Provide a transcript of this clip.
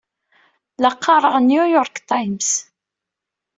La qqareɣ New York Times.